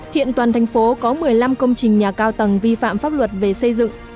hiện toàn thành phố có một mươi năm công trình nhà cao tầng vi phạm pháp luật về xây dựng